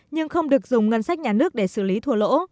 nhưng không được dùng ngân sách nhà nước để xử lý thua lỗ